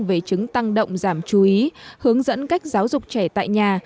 về chứng tăng động giảm chú ý hướng dẫn cách giáo dục trẻ tại nhà